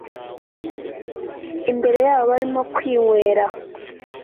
imbere yabo barimo kwinkwera